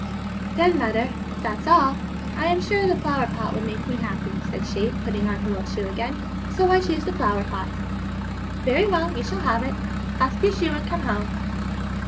'Then, mother, if that's all, I'm sure the flower pot would make me happy,' said she, putting on her old shoe again; 'so I choose the flower pot.' 'Very well, you shall have it. Clasp your shoe, and come home.'